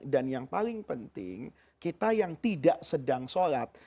dan yang paling penting kita yang tidak sedang sholat